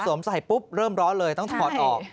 ใส่ปุ๊บเริ่มร้อนเลยต้องถอดออก